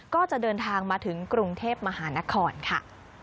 ก็จะเดินทางมาถึงกรุงเทพมหานครค่ะ